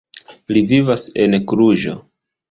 Li vivas en Kluĵo.